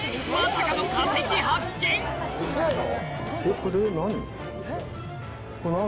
ウソやろ？